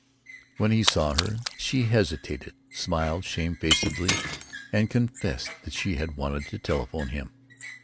When he saw her, she hesitated, smiled shamefacedly, and confessed that she had wanted to telephone to him.